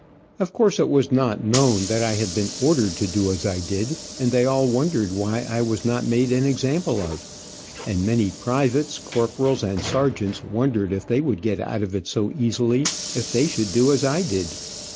Of course it was not known that I had been ordered to do as I did, and they all wondered why I was not made an example of; and many privates, corporals and sergeants wondered if they would get out of it so easily if they should do as I did.